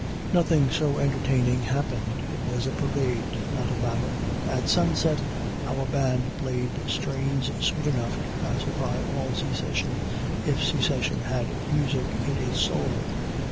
Nothing so entertaining happened. It was a parade, not a battle. At sunset our band played strains sweet enough to pacify all Secession, if Secession had music in its soul.